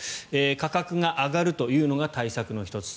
価格が上がるというのが対策の１つ。